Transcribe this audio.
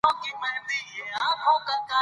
دوی به د دنیا پر څلورمه برخه بری موندلی وي.